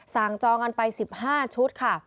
สั่งจองอันไป๑๕ชุดค่ะ